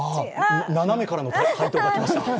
斜めからの回答が来ました。